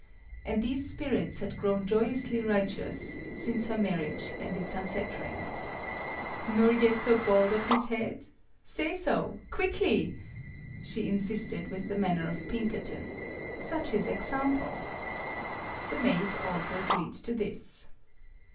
And these spirits had grown joyously riotous since her mar riage and its unfettering. " Nor yet so bald of his head ? Say so! MADAME BUTTERFLY 15 Quickly! " she insisted, with the manner of Pinkerton such is example! The maid also agreed to this.